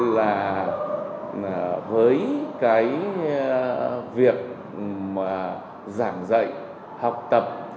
là với cái việc giảng dạy học tập